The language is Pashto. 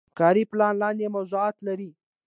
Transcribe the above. کاري پلان لاندې موضوعات لري.